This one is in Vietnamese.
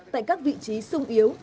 tại các vị trí sung yếu